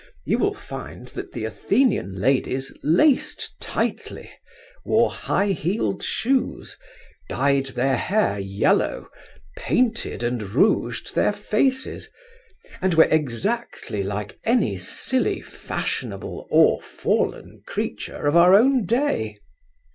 You will find that the Athenian ladies laced tightly, wore high heeled shoes, dyed their hair yellow, painted and rouged their faces, and were exactly like any silly fashionable or fallen creature of our own day.